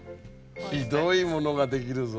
ひどいものができるぞ。